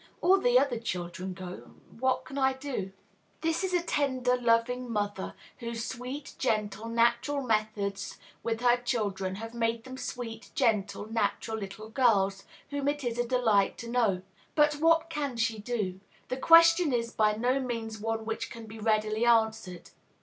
All the other children go; and what can I do?" This is a tender, loving mother, whose sweet, gentle, natural methods with her children have made them sweet, gentle, natural little girls, whom it is a delight to know. But "what can she do?" The question is by no means one which can be readily answered.